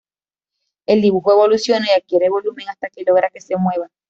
El dibujo evoluciona y adquiere volumen, hasta que logra que se mueva.